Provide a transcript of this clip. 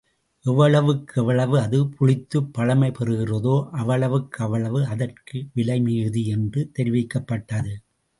எவ்வளவுக்கு எவ்வளவு அது புளித்துப் பழமை பெறுகிறதோ அவ்வளவுக்கவ்வளவு அதற்கு விலை மிகுதி என்று தெரிவிக்கப் பட்டது.